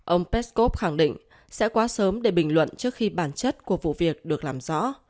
ông peskov khẳng định sẽ quá sớm để bình luận trước khi bản chất của vụ việc được làm rõ